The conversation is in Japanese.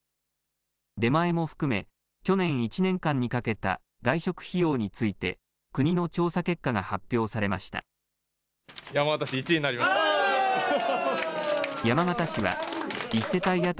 出前も含め去年１年間にかけた外食費用について国の調査結果が発表されました。